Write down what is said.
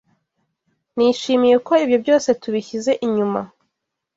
Nishimiye ko ibyo byose tubishyize inyuma.